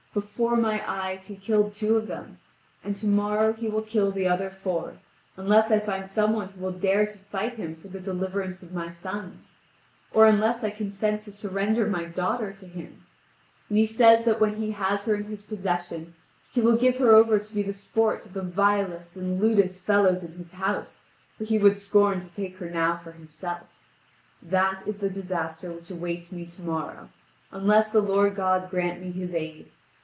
Before my eyes he killed two of them, and to morrow he will kill the other four, unless I find some one who will dare to fight him for the deliverance of my sons, or unless I consent to surrender my daughter to him; and he says that when he has her in his possession he will give her over to be the sport of the vilest and lewdest fellows in his house, for he would scorn to take her now for himself. That is the disaster which awaits me to morrow, unless the Lord God grant me His aid.